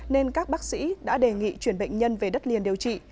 nên các bác sĩ đã đề nghị chuyển bệnh nhân về đất liền điều trị